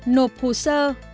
nộp hồ sơ